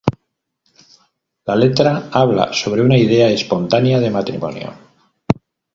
La letra habla sobre una idea espontánea de matrimonio.